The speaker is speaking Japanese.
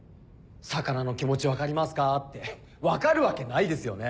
「魚の気持ち分かりますか？」って分かるわけないですよね？